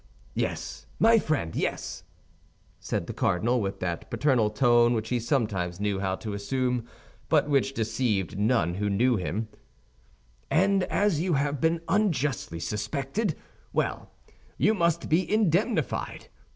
"Yes, my friend, yes," said the cardinal, with that paternal tone which he sometimes knew how to assume, but which deceived none who knew him; "and as you have been unjustly suspected, well, you must be indemnified.